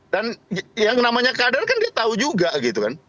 dan yang namanya keadaan kan dia tahu juga gitu kan